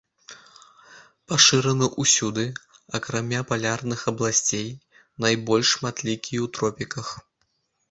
Пашыраны ўсюды, акрамя палярных абласцей, найбольш шматлікія ў тропіках.